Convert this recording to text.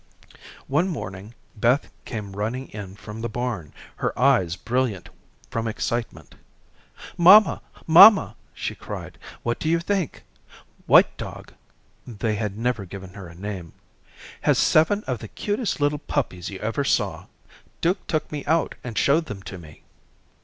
One morning, Beth came running in from the barn, her eyes brilliant from excitement. "Mamma, mamma," she called, "what do you think? White dog" they had never given her a name "has seven of the cutest little puppies you ever saw. Duke took me out and showed them to me."